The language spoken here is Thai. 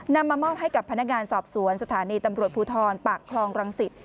มามอบให้กับพนักงานสอบสวนสถานีตำรวจภูทรปากคลองรังสิต